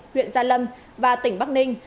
huyện gia lâm và tỉnh bắc ninh